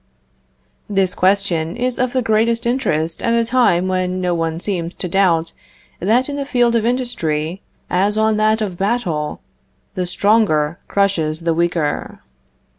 This question is of the greatest interest at a time when no one seems to doubt that in the field of industry, as on that of battle, the stronger crushes the weaker.